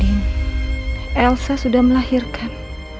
iya ndin elsa sudah melahirkan